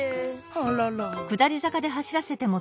あらら。